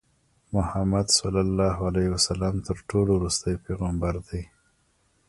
محمدﷺ تر ټولو ورستی پیغمبر دی.